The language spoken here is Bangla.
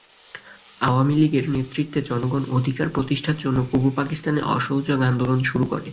আওয়ামী লীগের নেতৃত্বে জনগণ অধিকার প্রতিষ্ঠার জন্য পূর্ব পাকিস্তানে অসহযোগ আন্দোলন শুরু করে।